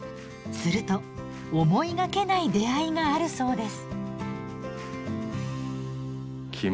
すると思いがけない出会いがあるそうです。